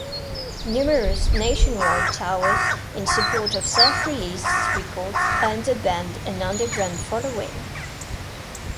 Numerous nationwide tours in support of self-released records earned the band an underground following.